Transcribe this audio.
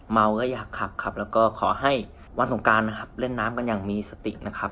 เมาก็อยากขับครับแล้วก็ขอให้วันสงการนะครับเล่นน้ำกันอย่างมีสตินะครับ